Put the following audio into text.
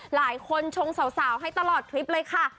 หลายคนชงสาวให้ตลอดคลิปเลยค่ะ